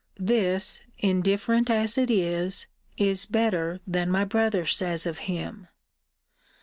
This, indifferent as it is, is better than my brother says of him.